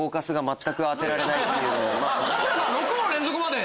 春日さん６問連続まで。